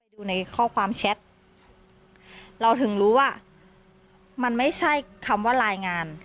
ดูในข้อความแชทเราถึงรู้ว่ามันไม่ใช่คำว่ารายงาน